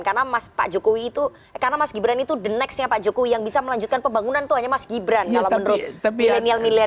karena mas jokowi itu karena mas gibran itu the next nya pak jokowi yang bisa melanjutkan pembangunan itu hanya mas gibran kalau menurut milenial milenial ini